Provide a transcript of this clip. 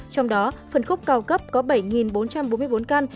trong đó phần khúc cao cấp có bảy bốn trăm bốn mươi bốn căn